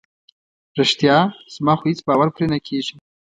رښتیا؟ زما خو هیڅ باور پرې نه کیږي.